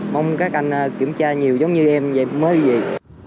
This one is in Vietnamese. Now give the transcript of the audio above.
mong các anh kiểm tra nhiều giống như em về mới vậy